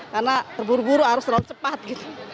karena terburu buru arus terlalu cepat gitu